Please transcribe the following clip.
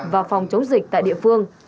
và phòng chống dịch tại địa phương